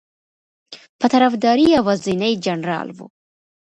په طرفداری یوازینی جنرال ؤ